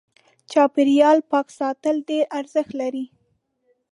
چاپېريال پاک ساتل ډېر ارزښت لري.